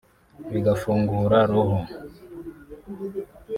bigafungura roho